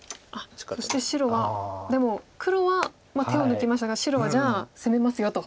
そして白はでも黒は手を抜きましたが白はじゃあ攻めますよと。